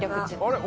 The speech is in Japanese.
「あれ？